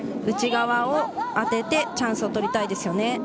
内側を当ててチャンスをとりたいですよね。